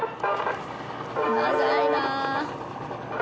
長いな。